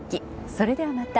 それではまた。